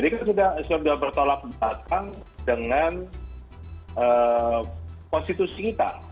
kita sudah bertolak belakang dengan konstitusi kita